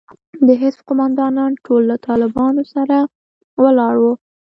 د حزب قومندانان ټول له طالبانو سره ولاړ وو.